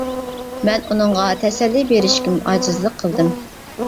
مەن ئۇنىڭغا تەسەللى بېرىشكىمۇ ئاجىزلىق قىلدىم.